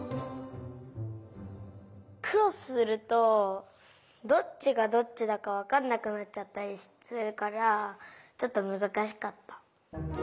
クロスするとどっちがどっちだかわかんなくなっちゃったりするからちょっとむずかしかった。